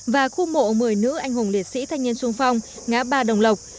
và khu mộ một mươi nữ anh hùng liệt sĩ thanh niên sung phong ngã ba đồng lộc